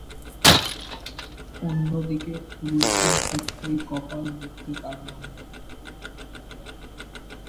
অন্যদিকে পুরুষদের ক্ষেত্রে কপাল দেখতে কালো রঙের।